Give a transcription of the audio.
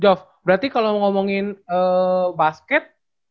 jof berarti kalau ngomongin basket